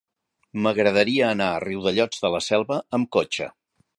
M'agradaria anar a Riudellots de la Selva amb cotxe.